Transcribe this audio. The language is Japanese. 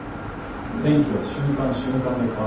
天気は瞬間瞬間で変わる。